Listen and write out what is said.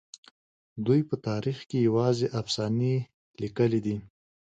دوی په تاريخ کې يوازې افسانې ليکلي دي.